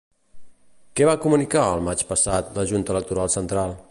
Què va comunicar, el maig passat, la Junta Electoral Central?